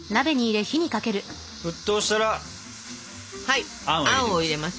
沸騰したらあんを入れます。